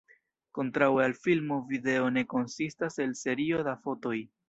Kontraŭe al filmo video ne konsistas el serio da fotoj.